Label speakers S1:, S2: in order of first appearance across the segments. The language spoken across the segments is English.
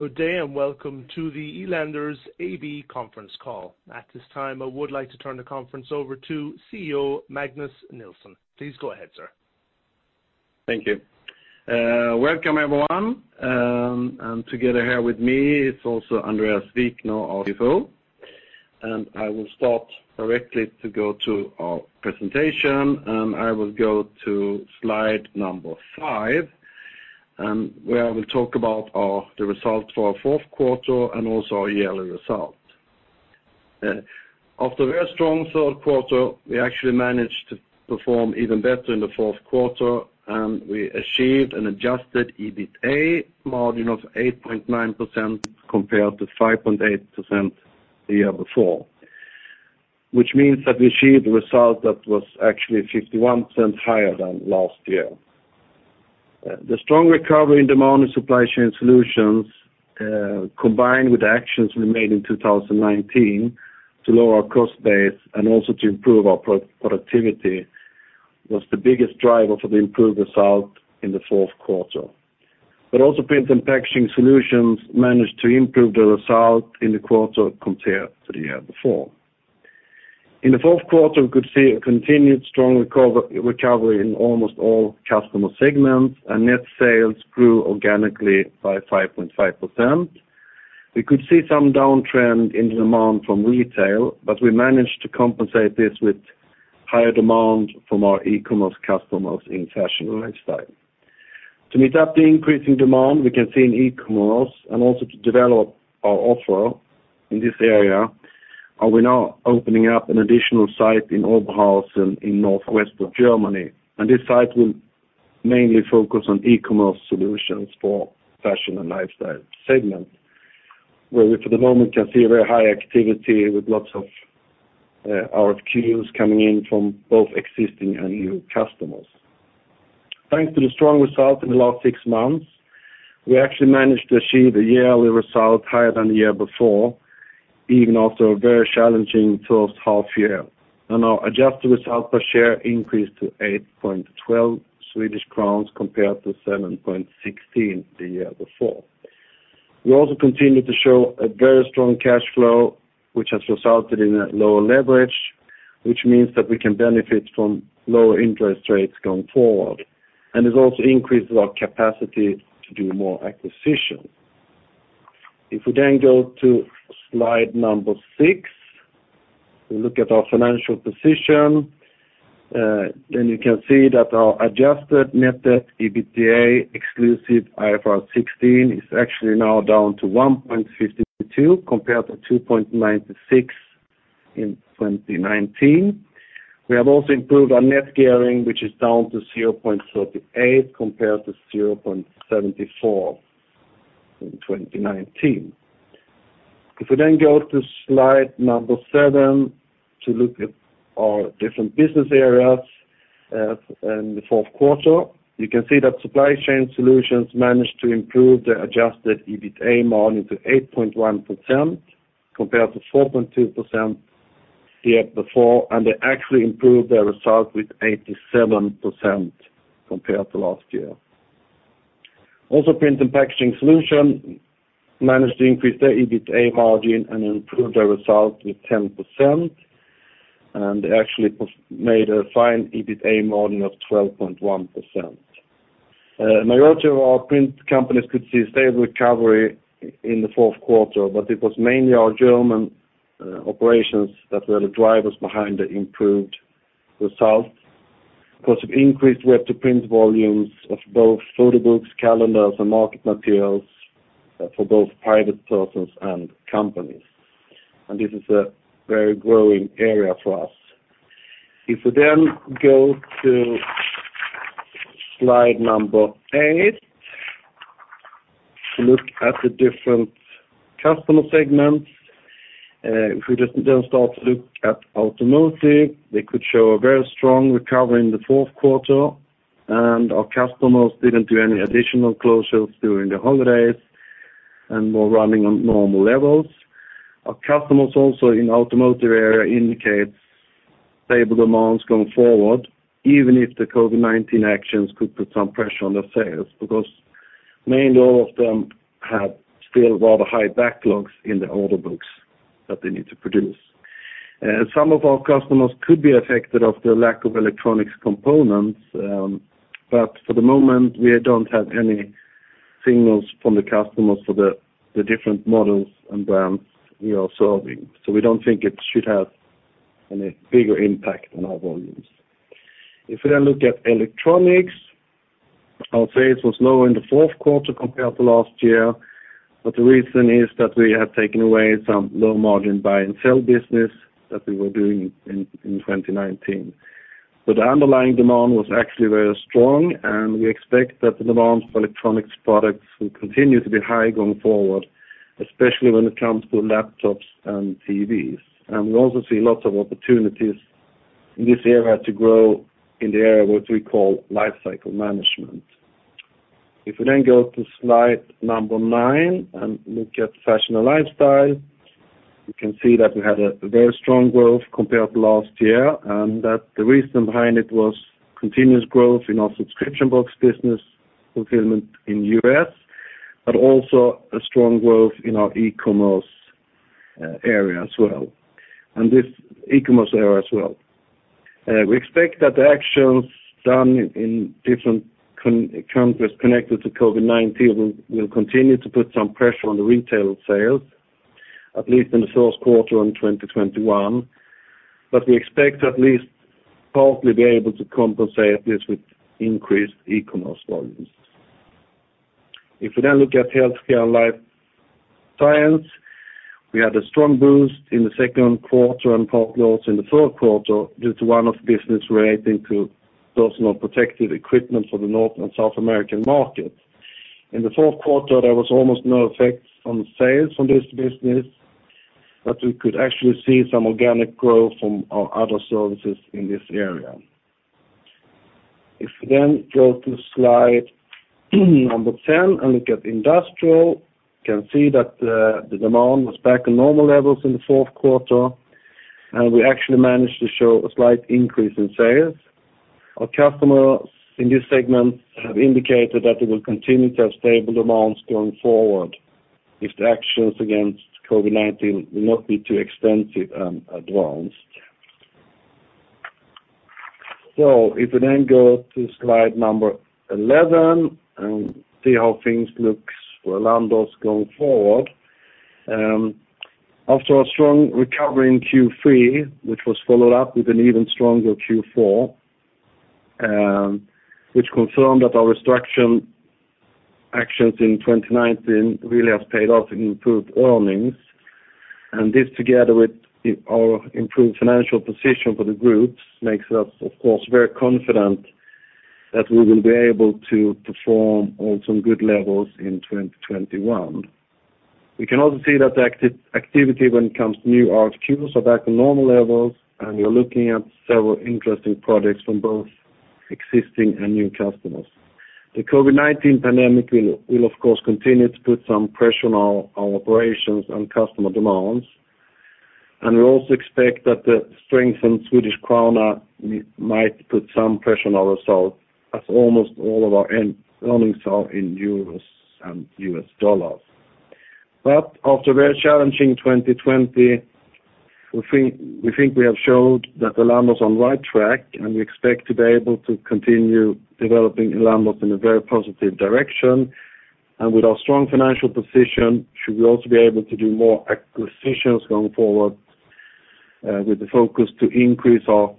S1: Good day, and welcome to the Elanders AB conference call. At this time, I would like to turn the conference over to CEO, Magnus Nilsson. Please go ahead, sir.
S2: Thank you. Welcome, everyone, and together here with me is also Andréas Wikner, our CFO. I will start directly to go to our presentation, and I will go to slide number 5, and where I will talk about our the result for our fourth quarter and also our yearly result. After a very strong third quarter, we actually managed to perform even better in the fourth quarter, and we achieved an Adjusted EBITDA margin of 8.9% compared to 5.8% the year before, which means that we achieved a result that was actually 51% higher than last year. The strong recovery in demand and Supply Chain Solutions, combined with the actions we made in 2019 to lower our cost base and also to improve our productivity, was the biggest driver for the improved result in the fourth quarter. But also, Print and Packaging Solutions managed to improve the result in the quarter compared to the year before. In the fourth quarter, we could see a continued strong recovery in almost all customer segments, and net sales grew organically by 5.5%. We could see some downtrend in demand from retail, but we managed to compensate this with higher demand from our e-commerce customers in fashion and lifestyle. To meet up the increasing demand we can see in e-commerce and also to develop our offer in this area, we are now opening up an additional site in Oberhausen in northwest Germany, and this site will mainly focus on e-commerce solutions for fashion and lifestyle segment, where we, for the moment, can see a very high activity with lots of RFQs coming in from both existing and new customers. Thanks to the strong result in the last six months, we actually managed to achieve the yearly result higher than the year before, even after a very challenging first half year. Our adjusted result per share increased to 8.12 Swedish crowns, compared to 7.16 the year before. We also continued to show a very strong cash flow, which has resulted in a lower leverage, which means that we can benefit from lower interest rates going forward, and it also increases our capacity to do more acquisition. If we then go to slide number 6, we look at our financial position, then you can see that our adjusted net debt EBITDA, exclusive IFRS 16, is actually now down to 1.52, compared to 2.96 in 2019. We have also improved our net gearing, which is down to 0.38, compared to 0.74 in 2019. If we then go to slide number 7 to look at our different business areas, in the fourth quarter, you can see that Supply Chain Solutions managed to improve the adjusted EBITDA margin to 8.1%, compared to 4.2% the year before, and they actually improved their result with 87% compared to last year. Also, Print & Packaging Solutions managed to increase their EBITDA margin and improve their result with 10%, and they actually made a fine EBITDA margin of 12.1%. Majority of our print companies could see a stable recovery in the fourth quarter, but it was mainly our German operations that were the drivers behind the improved results. Because of increased web-to-print volumes of both photo books, calendars, and market materials, for both private persons and companies. This is a very growing area for us. If we then go to slide number 8, to look at the different customer segments, if we just then start to look at automotive, they could show a very strong recovery in the fourth quarter, and our customers didn't do any additional closures during the holidays and were running on normal levels. Our customers also in automotive area indicates stable demands going forward, even if the COVID-19 actions could put some pressure on the sales, because mainly all of them have still rather high backlogs in the order books that they need to produce. Some of our customers could be affected of the lack of electronic components, but for the moment, we don't have any signals from the customers for the different models and brands we are serving. So we don't think it should have any bigger impact on our volumes. If we then look at electronics, our sales was lower in the fourth quarter compared to last year, but the reason is that we have taken away some low-margin buy and sell business that we were doing in, in 2019. But the underlying demand was actually very strong, and we expect that the demand for electronics products will continue to be high going forward, especially when it comes to laptops and TVs. And we also see lots of opportunities in this area to grow in the area, what we call life cycle management. If we then go to slide number nine and look at fashion and lifestyle-... You can see that we had a very strong growth compared to last year, and that the reason behind it was continuous growth in our subscription box business fulfillment in U.S., but also a strong growth in our e-commerce area as well, and this e-commerce area as well. We expect that the actions done in different countries connected to COVID-19 will continue to put some pressure on the retail sales, at least in the first quarter in 2021. But we expect at least partly be able to compensate this with increased e-commerce volumes. If you then look at healthcare and life science, we had a strong boost in the second quarter, and part also in the third quarter, due to one-f business relating to personal protective equipment for the North and South American market. In the fourth quarter, there was almost no effect on sales from this business, but we could actually see some organic growth from our other services in this area. If you then go to slide number 10 and look at industrial, you can see that the demand was back at normal levels in the fourth quarter, and we actually managed to show a slight increase in sales. Our customers in this segment have indicated that they will continue to have stable demands going forward, if the actions against COVID-19 will not be too extensive and advanced. So if you then go to slide number 11 and see how things looks for Elanders going forward. After a strong recovery in Q3, which was followed up with an even stronger Q4, which confirmed that our restructuring actions in 2019 really has paid off in improved earnings. This, together with our improved financial position for the group, makes us, of course, very confident that we will be able to perform at some good levels in 2021. We can also see that the activity when it comes to new RFQs is back to normal levels, and we are looking at several interesting projects from both existing and new customers. The COVID-19 pandemic will, of course, continue to put some pressure on our operations and customer demands, and we also expect that the strength in Swedish krona might put some pressure on our results, as almost all of our net earnings are in euros and US dollars. But after a very challenging 2020, we think we have showed that Elanders is on right track, and we expect to be able to continue developing Elanders in a very positive direction. And with our strong financial position, should we also be able to do more acquisitions going forward, with the focus to increase our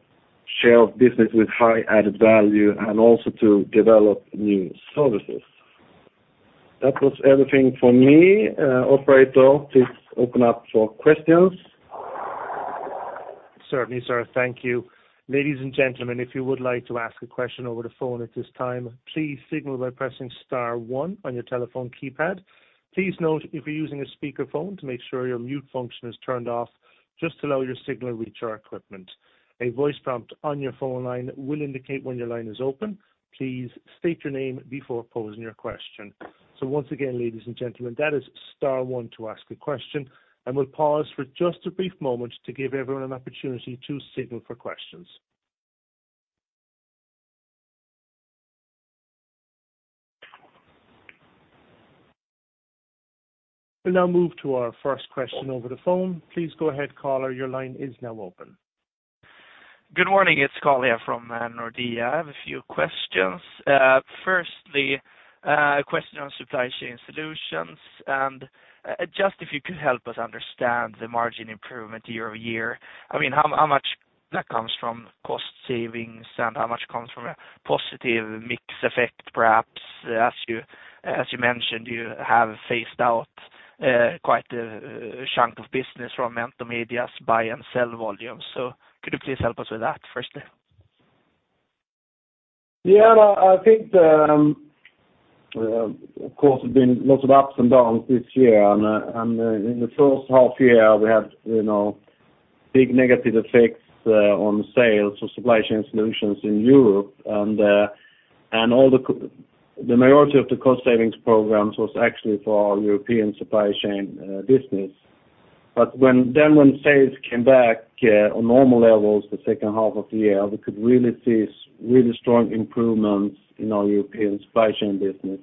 S2: share of business with high added value, and also to develop new services. That was everything for me. Operator, please open up for questions.
S1: Certainly, sir. Thank you. Ladies and gentlemen, if you would like to ask a question over the phone at this time, please signal by pressing star one on your telephone keypad. Please note, if you're using a speakerphone, to make sure your mute function is turned off, just allow your signal to reach our equipment. A voice prompt on your phone line will indicate when your line is open. Please state your name before posing your question. Once again, ladies and gentlemen, that is star one to ask a question, and we'll pause for just a brief moment to give everyone an opportunity to signal for questions. We'll now move to our first question over the phone. Please go ahead, caller, your line is now open.
S3: Good morning, it's Carl Ragnerstam from Nordea. I have a few questions. Firstly, a question on Supply Chain Solutions, and just if you could help us understand the margin improvement year-over-year. I mean, how much that comes from cost savings, and how much comes from a positive mix effect, perhaps, as you mentioned, you have phased out quite a chunk of business from Mentor Media's buy and sell volumes. So could you please help us with that, firstly?
S2: Yeah, I think, of course, there's been lots of ups and downs this year, and, and, in the first half year, we had, you know, big negative effects, on sales of supply chain solutions in Europe. And, and all the the majority of the cost savings programs was actually for our European supply chain, business. But when, then when sales came back, on normal levels, the second half of the year, we could really see really strong improvements in our European supply chain business.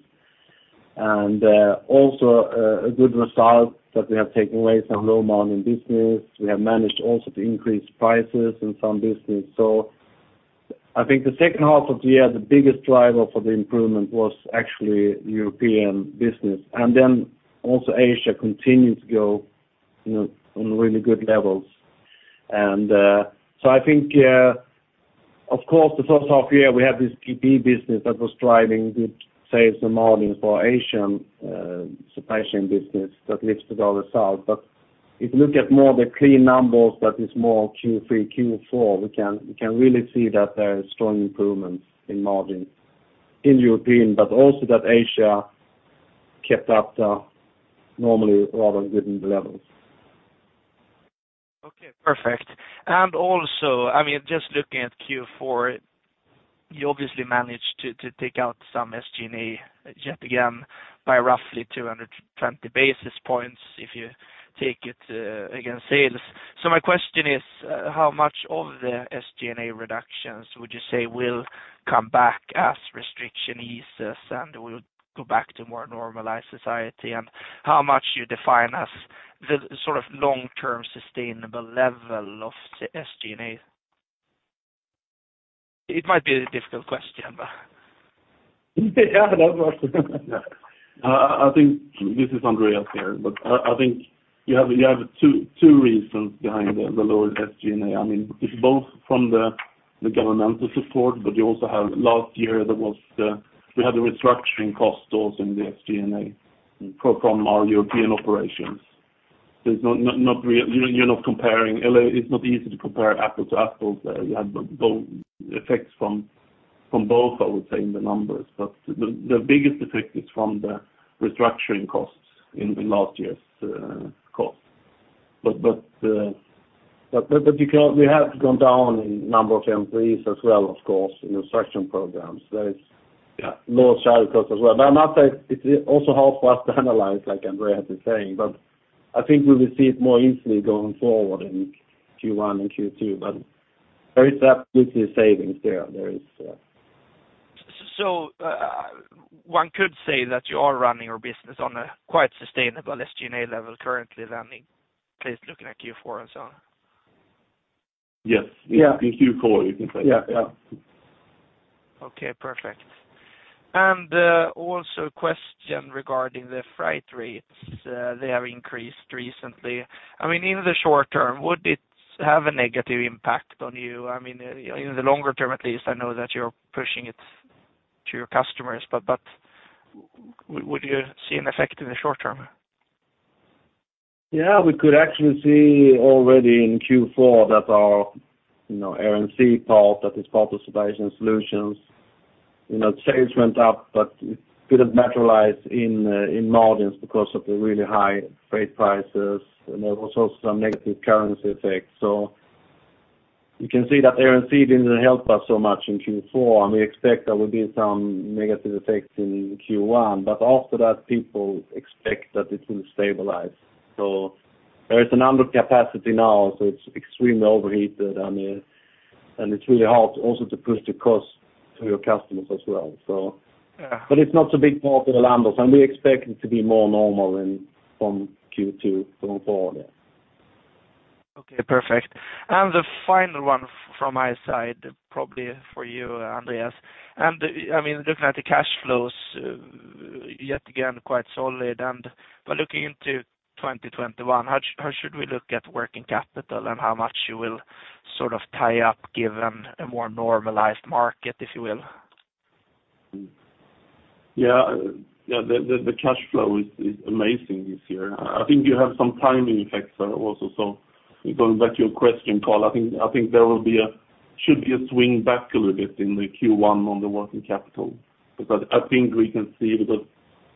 S2: And, also, a good result that we have taken away some low margin business. We have managed also to increase prices in some business. So I think the second half of the year, the biggest driver for the improvement was actually European business, and then also Asia continued to go, you know, on really good levels. So I think, of course, the first half year, we had this GP business that was driving good sales and margins for Asian supply chain business that lifted our results. But if you look at more the clean numbers, that is, more Q3, Q4, we can really see that there are strong improvements in margins in European, but also that Asia kept up the normally rather good levels.
S3: Okay, perfect. And also, I mean, just looking at Q4. You obviously managed to take out some SG&A yet again, by roughly 220 basis points, if you take it against sales. So my question is, how much of the SG&A reductions would you say will come back as restriction eases, and we'll go back to more normalized society? And how much do you define as the sort of long-term sustainable level of the SG&A? It might be a difficult question, but
S4: Yeah, that was. I think this is Andréas here, but I think you have two reasons behind the lower SG&A. I mean, it's both from the governmental support, but you also have last year, we had the restructuring costs also in the SG&A from our European operations. There's not really. You're not comparing. It's not easy to compare apple to apples. You have both effects from both, I would say, in the numbers. But the biggest effect is from the restructuring costs in last year's cost. But because we have gone down in number of employees as well, of course, in the structuring programs, there is, yeah, lower side costs as well. But I'm not saying it also helps us to analyze, like Andréas is saying, but I think we will see it more easily going forward in Q1 and Q2. But there is absolutely savings there. There is.
S3: So, one could say that you are running your business on a quite sustainable SG&A level currently, then, at least looking at Q4 and so on?
S4: Yes.
S2: Yeah.
S4: In Q4, you can say.
S2: Yeah, yeah.
S3: Okay, perfect. Also a question regarding the freight rates. They have increased recently. I mean, in the short term, would it have a negative impact on you? I mean, in the longer term, at least, I know that you're pushing it to your customers, but would you see an effect in the short term?
S2: Yeah, we could actually see already in Q4 that our, you know, RMC part, that is part of Supply Chain Solutions, you know, sales went up, but it didn't materialize in margins because of the really high freight prices, and there was also some negative currency effects. So you can see that RMC didn't help us so much in Q4, and we expect there will be some negative effects in Q1, but after that, people expect that it will stabilize. So there is a number of capacity now, so it's extremely overheated, and it's really hard also to push the cost to your customers as well, so-
S3: Yeah.
S2: But it's not a big part of Elanders, and we expect it to be more normal in from Q2 going forward.
S3: Okay, perfect. And the final one from my side, probably for you, Andréas. And, I mean, looking at the cash flows, yet again, quite solid. And by looking into 2021, how should, how should we look at working capital, and how much you will sort of tie up, given a more normalized market, if you will?
S4: Yeah. Yeah, the cash flow is amazing this year. I think you have some timing effects there also. So going back to your question, Carl, I think there will be a swing back a little bit in the Q1 on the working capital. Because I think we can see that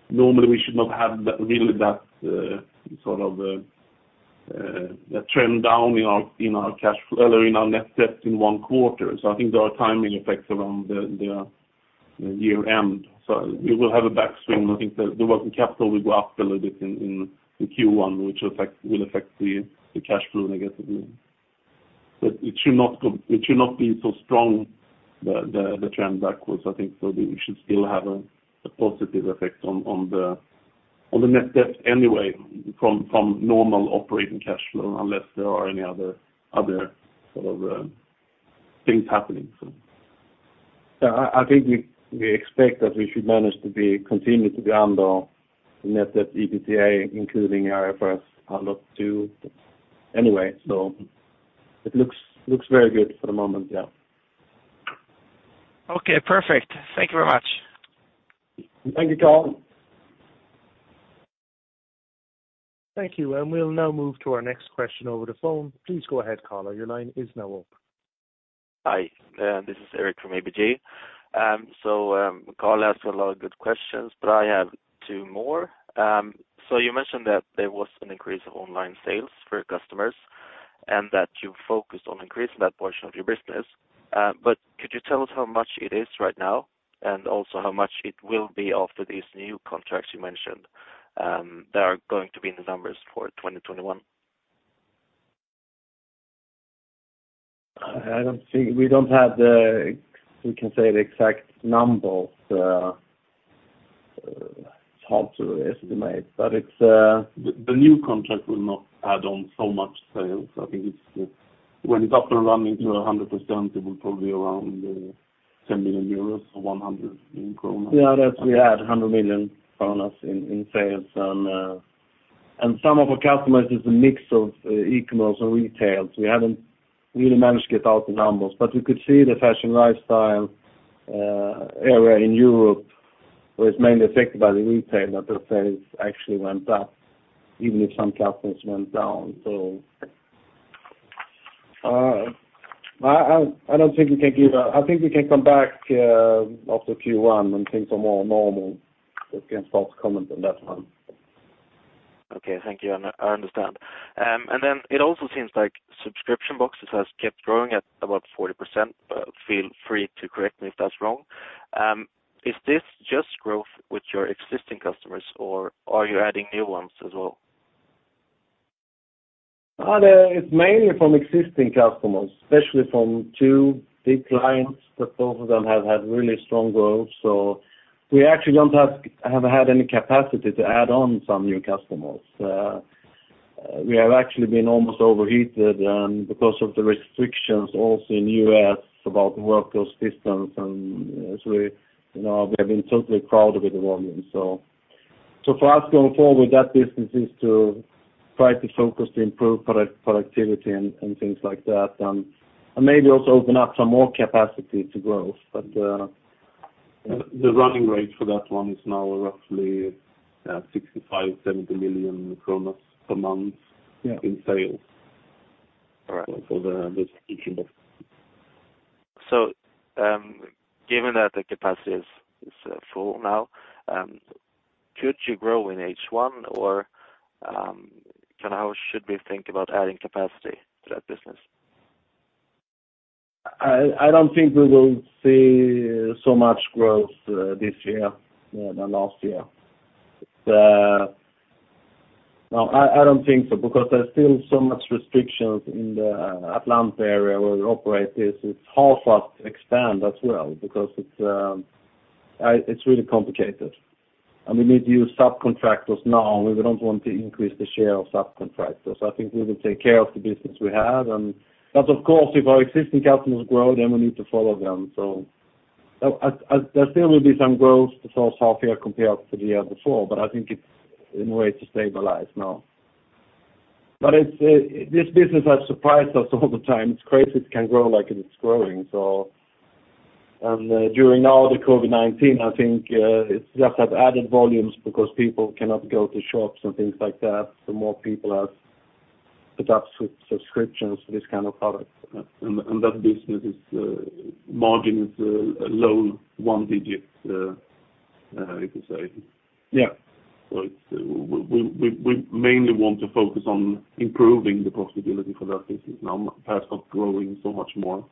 S4: normally we should not have that really that sort of a trend down in our cash flow or in our net debt in one quarter. So I think there are timing effects around the year-end. So we will have a backswing. I think the working capital will go up a little bit in Q1, which will affect the cash flow negatively. It should not be so strong, the trend backwards, I think, so we should still have a positive effect on the net debt anyway, from normal operating cash flow, unless there are any other sort of things happening, so...
S2: Yeah, I think we expect that we should manage to continue to be under the net debt EBITDA, including IFRS 16. Anyway, so it looks very good for the moment, yeah.
S3: Okay, perfect. Thank you very much.
S2: Thank you, Carl.
S1: Thank you. We'll now move to our next question over the phone. Please go ahead, caller. Your line is now open.
S5: Hi, this is Eric from ABG. Carl asked a lot of good questions, but I have two more. You mentioned that there was an increase of online sales for your customers, and that you focused on increasing that portion of your business, but could you tell us how much it is right now? And also, how much it will be after these new contracts you mentioned, that are going to be in the numbers for 2021.
S2: I don't see. We don't have the... We can say the exact numbers. It's hard to estimate, but it's
S4: The new contract will not add on so much sales. I think it's when it's up and running to 100%, it will probably around 10 million euros, or 100 million kronor.
S2: Yeah, that we add 100 million kronor in sales. And, and some of our customers is a mix of e-commerce and retail, so we haven't really managed to get out the numbers. But we could see the fashion lifestyle area in Europe was mainly affected by the retail, that the sales actually went up, even if some customers went down. So, I don't think we can give a—I think we can come back after Q1, when things are more normal. We can start to comment on that one....
S5: Okay, thank you. And I, I understand. And then it also seems like subscription boxes has kept growing at about 40%, but feel free to correct me if that's wrong. Is this just growth with your existing customers, or are you adding new ones as well?
S2: It's mainly from existing customers, especially from two big clients, but both of them have had really strong growth. So we actually don't have, haven't had any capacity to add on some new customers. We have actually been almost overheated, and because of the restrictions also in U.S. about work those systems, and so we, you know, we have been totally crowded with the volume. So for us going forward, that business is to try to focus to improve productivity and things like that. And maybe also open up some more capacity to grow. But,
S4: The running rate for that one is now roughly 65 million-70 million per month-
S2: Yeah
S4: -in sales.
S5: All right.
S4: For the subscription box.
S5: Given that the capacity is full now, could you grow in H1, or kind of how should we think about adding capacity to that business?
S2: I don't think we will see so much growth this year than last year. No, I don't think so, because there's still so much restrictions in the Atlanta area where we operate this. It's hard for us to expand as well, because it's really complicated, and we need to use subcontractors now, and we don't want to increase the share of subcontractors. I think we will take care of the business we have, and but of course, if our existing customers grow, then we need to follow them. So, there still will be some growth for half year compared to the year before, but I think it's in a way to stabilize now. But it's this business has surprised us all the time. It's crazy it can grow like it's growing, so. During now, the COVID-19, I think, it's just have added volumes because people cannot go to shops and things like that, so more people have adapt to subscriptions to this kind of products.
S4: That business margin is low single digits, you could say.
S2: Yeah.
S4: So it's we mainly want to focus on improving the profitability for that business now, perhaps not growing so much more,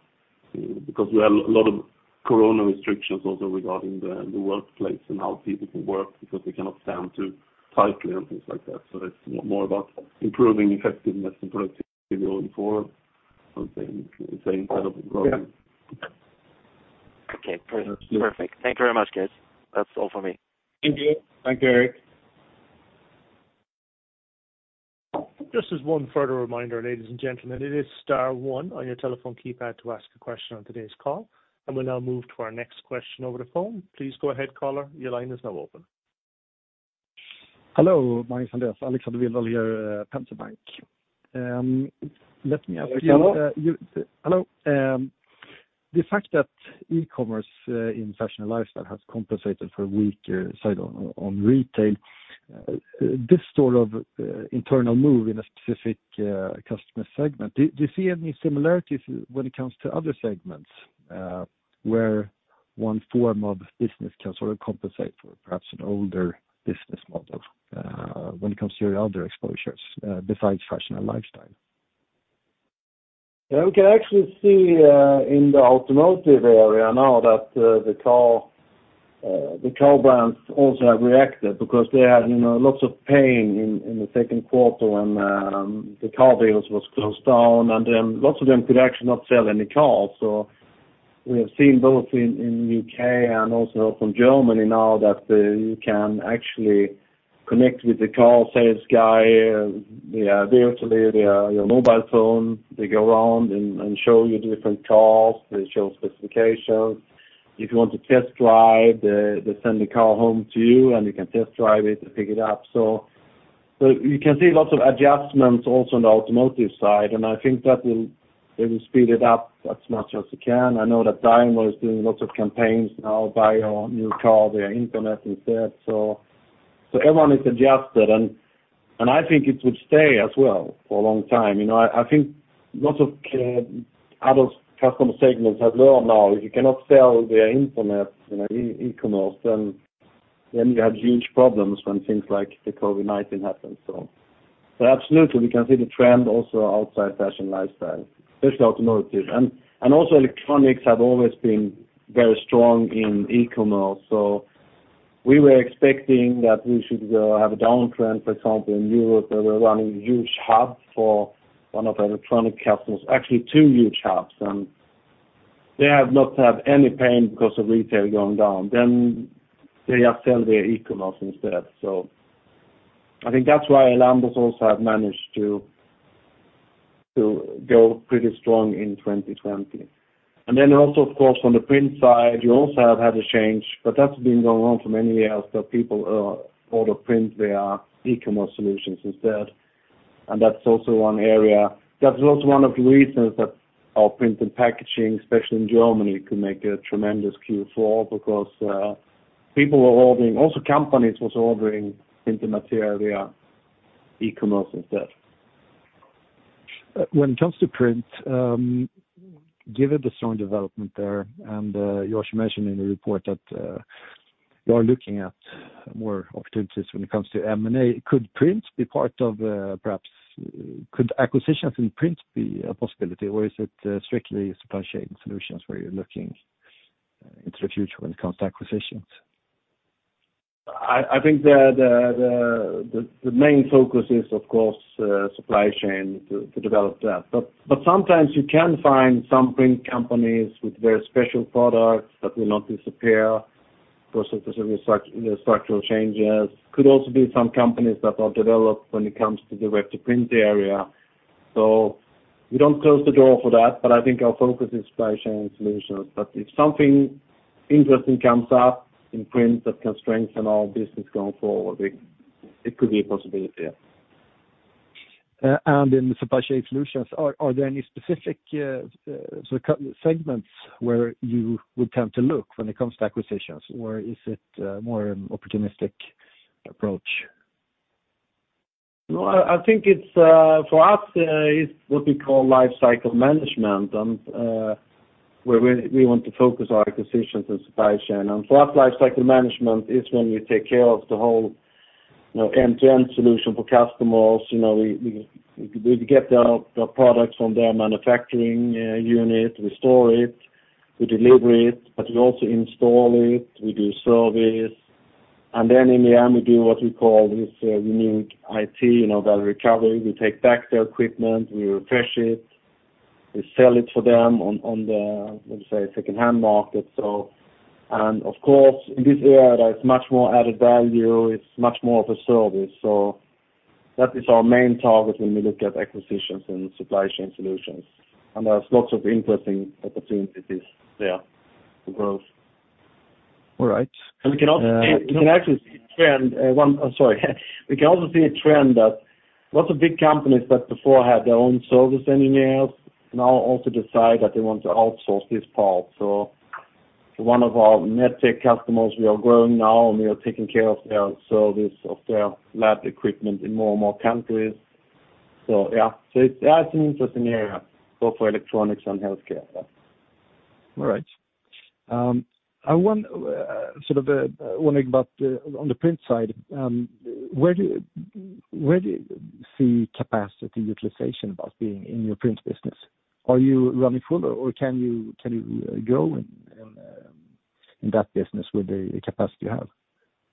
S4: because we have a lot of corona restrictions also regarding the workplace and how people can work, because we cannot stand too tightly and things like that. So it's more about improving effectiveness and productivity going forward, I would say, instead of growing.
S2: Yeah.
S5: Okay, perfect. Perfect. Thank you very much, guys. That's all for me.
S2: Thank you.
S4: Thank you, Eric.
S1: Just as one further reminder, ladies and gentlemen, it is star one on your telephone keypad to ask a question on today's call, and we'll now move to our next question over the phone. Please go ahead, caller. Your line is now open.
S6: Hello, my name is Andreas Lindström, Erik Penser Bank. Let me ask you-
S2: Hello?
S6: Hello. The fact that e-commerce in fashion and lifestyle has compensated for a weak side on retail, this sort of internal move in a specific customer segment, do you see any similarities when it comes to other segments, where one form of business can sort of compensate for perhaps an older business model, when it comes to your other exposures, besides fashion and lifestyle?
S2: Yeah, we can actually see in the automotive area now that the car brands also have reacted because they had, you know, lots of pain in the second quarter when the car dealers was closed down, and then lots of them could actually not sell any cars. So we have seen both in UK and also from Germany now that you can actually connect with the car sales guy via virtually your mobile phone. They go around and show you different cars. They show specifications. If you want to test drive, they send the car home to you, and you can test drive it and pick it up. So you can see lots of adjustments also on the automotive side, and I think that will, they will speed it up as much as they can. I know that Daimler is doing lots of campaigns now, buy your new car via the internet instead. So, everyone is adjusted, and I think it would stay as well for a long time. You know, I think lots of other customer segments have learned now, if you cannot sell via the internet, you know, e-commerce, then you have huge problems when things like the COVID-19 happen, so. But absolutely, we can see the trend also outside fashion, lifestyle, especially automotive. And also electronics have always been very strong in e-commerce, so we were expecting that we should have a downtrend, for example, in Europe, where we're running huge hubs for one of our electronics customers, actually two huge hubs. And they have not had any pain because of retail going down, then they upsell their e-commerce instead. So I think that's why Atlanta also have managed to go pretty strong in 2020. And then also, of course, on the print side, you also have had a change, but that's been going on for many years, that people order print their e-commerce solutions instead, and that's also one area. That's also one of the reasons that our print and packaging, especially in Germany, could make a tremendous Q4, because people were ordering, also companies was ordering into material, via e-commerce instead.
S6: When it comes to print, given the strong development there, and, Josh mentioned in the report that, you are looking at more opportunities when it comes to M&A, could print be part of, perhaps, could acquisitions in print be a possibility, or is it strictly supply chain solutions where you're looking into the future when it comes to acquisitions?
S2: I think the main focus is, of course, supply chain, to develop that. But sometimes you can find some print companies with very special products that will not disappear because of the structural changes. Could also be some companies that are developed when it comes to the web-to-print area. So we don't close the door for that, but I think our focus is supply chain solutions. But if something interesting comes up in print that can strengthen our business going forward, it could be a possibility, yeah.
S6: And in the Supply Chain Solutions, are there any specific sort of sub-segments where you would tend to look when it comes to acquisitions, or is it more an opportunistic approach?
S2: No, I think it's for us, it's what we call life cycle management, and where we want to focus our acquisitions and supply chain. And for us, life cycle management is when we take care of the whole, you know, end-to-end solution for customers. You know, we get the products from their manufacturing unit, we store it, we deliver it, but we also install it, we do service. And then in the end, we do what we call this unique IT, you know, value recovery. We take back their equipment, we refresh it, we sell it for them on the, let me say, second-hand market. So, and of course, in this area, there's much more added value, it's much more of a service. So that is our main target when we look at acquisitions and Supply Chain Solutions, and there's lots of interesting opportunities there for growth.
S6: All right.
S2: And we can also, we can actually see a trend. We can also see a trend that lots of big companies that before had their own service engineers now also decide that they want to outsource this part. So for one of our MedTech customers, we are growing now, and we are taking care of their service, of their lab equipment in more and more countries. So yeah, so it's, that's an interesting area, both for electronics and healthcare.
S6: All right. I wonder, sort of, about the print side, where do you see capacity utilization about being in your print business? Are you running full, or can you grow in that business with the capacity you have,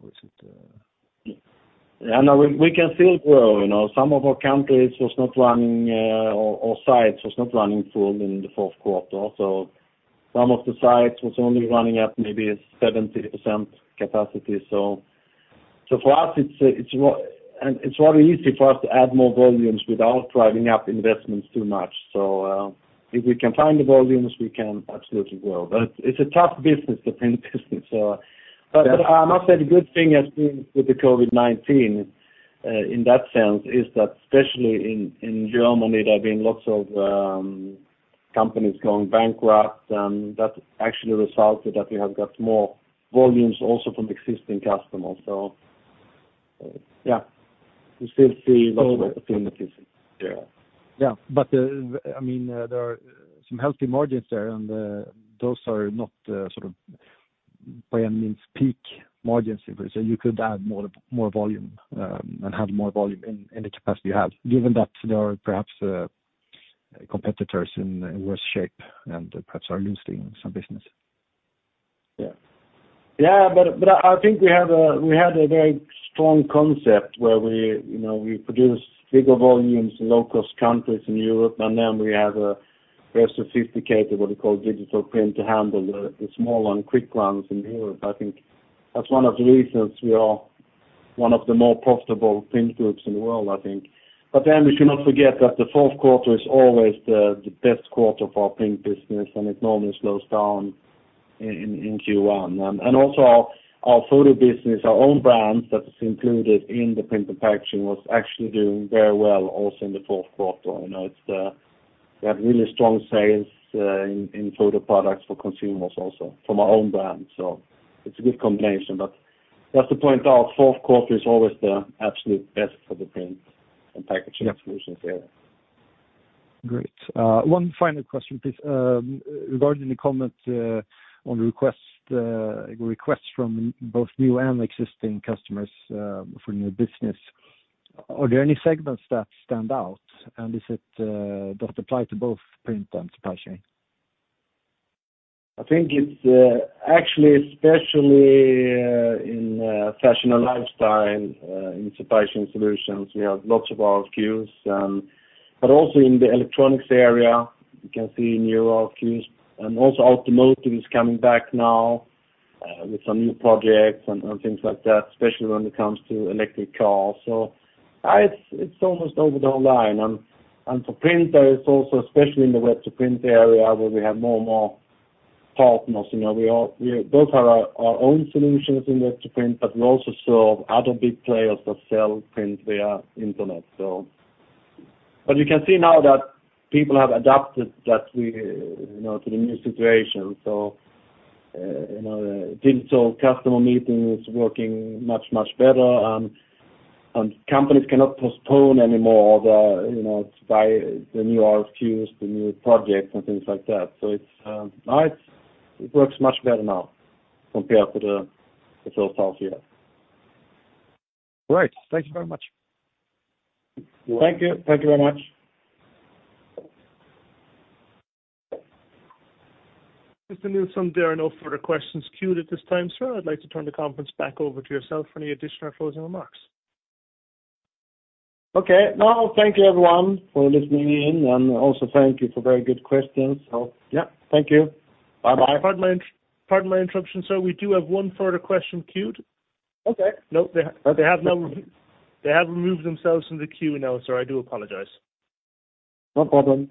S6: or is it?
S2: Yeah, no, we can still grow. You know, some of our countries or sites was not running full in the fourth quarter. So some of the sites was only running at maybe 70% capacity. So, for us, it's rather easy for us to add more volumes without driving up investments too much. So, if we can find the volumes, we can absolutely grow. But it's a tough business, the print business, so. But I must say, the good thing has been with the COVID-19, in that sense, is that especially in Germany, there have been lots of companies going bankrupt, that actually resulted that we have got more volumes also from existing customers. So, yeah, we still see lots of opportunities there.
S6: Yeah. But, I mean, there are some healthy margins there, and those are not sort of by any means peak margins, if we say you could add more volume and have more volume in the capacity you have, given that there are perhaps competitors in worse shape and perhaps are losing some business.
S2: Yeah, but I think we have a very strong concept where we, you know, we produce bigger volumes in low-cost countries in Europe, and then we have a very sophisticated, what we call digital print, to handle the small and quick runs in Europe. I think that's one of the reasons we are one of the more profitable print groups in the world, I think. But then we should not forget that the fourth quarter is always the best quarter for our print business, and it normally slows down in Q1. And also our photo business, our own brand that is included in the print packaging, was actually doing very well also in the fourth quarter. You know, it's we have really strong sales in photo products for consumers also, from our own brand. It's a good combination. Just to point out, fourth quarter is always the absolute best for the print and packaging-
S6: Yeah...
S2: solutions area.
S6: Great. One final question, please. Regarding the comment on requests from both new and existing customers for new business, are there any segments that stand out, and is it that apply to both print and supply chain?
S2: I think it's actually especially in fashion and lifestyle in Supply Chain Solutions we have lots of RFQs. But also in the electronics area, you can see new RFQs, and also automotive is coming back now with some new projects and things like that, especially when it comes to electric cars. It's almost over the whole line. And for print, there is also especially in the web-to-print area, where we have more and more partners. You know, we both have our own solutions in web-to-print, but we also serve other big players that sell print via internet. So, but you can see now that people have adapted, that we, you know, to the new situation. So, you know, digital customer meeting is working much, much better, and companies cannot postpone anymore the, you know, to buy the new RFQs, the new projects, and things like that. So it's, now it's, it works much better now compared to the first half year.
S6: Great. Thank you very much.
S2: Thank you. Thank you very much.
S1: Mr. Nilsson, there are no further questions queued at this time, sir. I'd like to turn the conference back over to yourself for any additional closing remarks.
S2: Okay. No, thank you everyone for listening in, and also thank you for very good questions. So yeah, thank you. Bye-bye.
S1: Pardon my interruption, sir. We do have one further question queued.
S2: Okay.
S1: No, they ha-
S2: Okay.
S1: They have now removed themselves from the queue now, sir. I do apologize.
S2: No problem.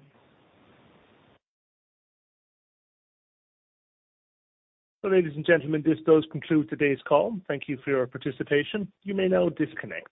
S1: Ladies and gentlemen, this does conclude today's call. Thank you for your participation. You may now disconnect.